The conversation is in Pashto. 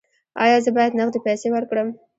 ایا زه باید نغدې پیسې ورکړم؟